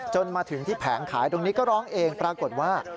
จนมาถึงที่แผงขายตรงนี้ก็ร้องเองปรากฏว่า